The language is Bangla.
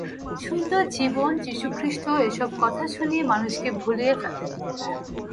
সুন্দর জীবন, যিশুখ্রিস্ট এসব কথা শুনিয়ে মানুষকে ভুলিয়ে ফেলে।